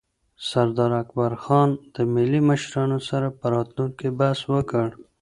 سردار اکبرخان د ملي مشرانو سره پر راتلونکي بحث وکړ.